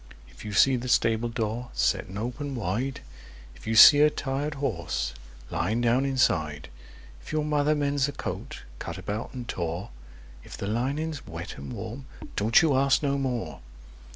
If you see the stableyard setting open wide; If you see a tired horse lying down inside; If your mother mends a coat cut about and tore; If the lining's wet and warm—don't you ask no more!